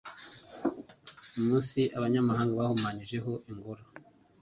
umunsi abanyamahanga bahumanyijeho ingoro